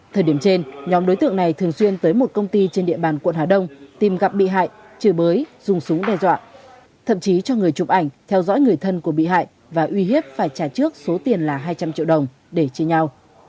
thời điểm trên nhóm đối tượng này thường xuyên tới một công ty trên địa bàn quận hà đông tìm gặp bị hại chửi bới dùng súng đe dọa thậm chí cho người chụp ảnh theo dõi người thân của bị hại và uy hiếp phải trả trước số tiền là hai trăm linh triệu đồng để chia nhau